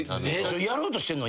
やろうとしてんの？